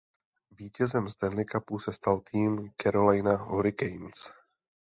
Vítězem Stanley Cupu se stal tým Carolina Hurricanes.